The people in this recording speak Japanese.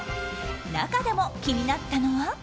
中でも、気になったのは。